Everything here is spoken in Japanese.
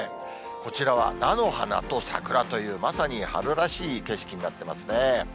こちらは、菜の花と桜という、まさに春らしい景色になってますね。